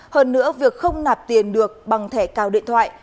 hơn nữa việc không nạp tiền được bằng thẻ cào điện thoại